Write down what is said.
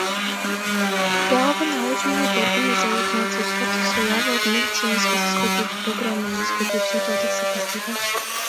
Galvenā uzmanība, organizējot mācību procesu, ir jāvelta medicīniskās izglītības programmu un izglītības metodikas attīstībai.